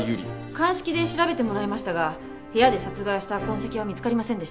鑑識で調べてもらいましたが部屋で殺害した痕跡は見つかりませんでした。